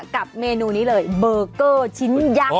กับเมนูนี้เลยเบอร์เกอร์ชิ้นยักษ์